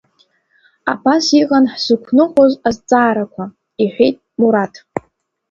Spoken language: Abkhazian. Абас иҟан ҳзықәныҟәоз азҵаарақәа, — иҳәеит Мураҭ.